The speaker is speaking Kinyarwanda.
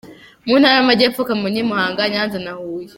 Mu ntara y’Amajyepfo: Kamonyi, Muhanga, Nyanza na Huye .